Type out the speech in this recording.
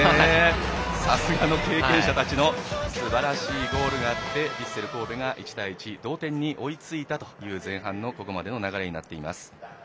さすがの経験者たちのすばらしいゴールがあってヴィッセル神戸が１対１同点に追いついたという前半の流れになっています。